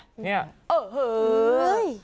นี่